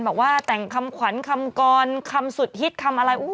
บอกว่าแต่งคำขวัญคำกรคำสุดฮิตคำอะไร